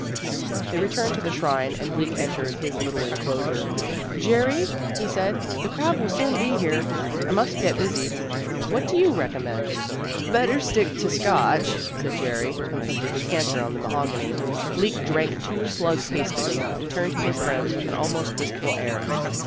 They returned to the shrine, and Bleak entered his little enclosure. "Jerry," he said, "the crowd will soon be here. I must get busy. What do you recommend?" "Better stick to the Scotch," said Jerry, and put the decanter on the mahogany. Bleak drank two slugs hastily, and turned to his friends with an almost wistful air.